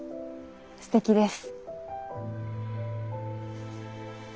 すてきです。